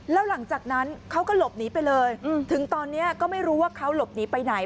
แล้วหลังจากนั้นเขาก็หลบหนีไปเลยถึงตอนนี้ก็ไม่รู้ว่าเขาหลบหนีไปไหน